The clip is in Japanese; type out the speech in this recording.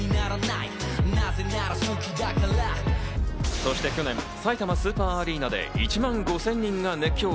そして去年、さいたまスーパーアリーナで１万５０００人が熱狂。